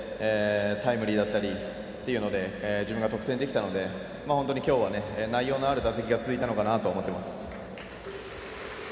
タイムリーだったりっていうので自分が得点できたので本当にきょうは内容のある打席続いたのかなと思っています。